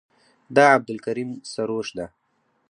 دا عبدالکریم سروش ده.